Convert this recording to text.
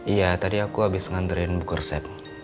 iya tadi aku habis nganterin buku resep